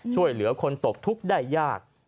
ช่วยเหลือคนตกทุกข์ได้ยาก